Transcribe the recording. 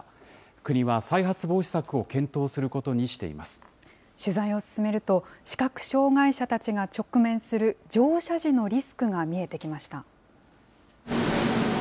国は再発防止策を検討することに取材を進めると、視覚障害者たちが直面する、乗車時のリスクが見えてきました。